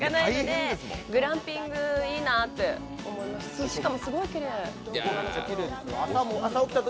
グランピングいいなって思いました。